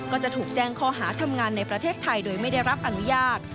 ก็จะถูกแจ้งข้อหาทำงานในประเทศไทยโดยไม่ได้รับอนุญาต